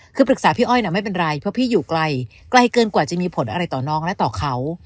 คือปรึกษาพี่อ้อยนะไม่เป็นไรเพราะพี่อยู่ไกลไกลเกินกว่าจะมีผลอะไรต่อน้องและต่อเขา